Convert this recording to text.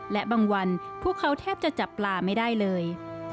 และบางวันพวกเขาแทบจะจับปลาไม่ได้เลย